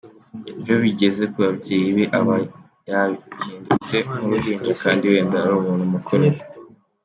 Iyo bigeze ku babyeyi be aba yahindutse nk’uruhinja kandi wenda ari umuntu mukuru.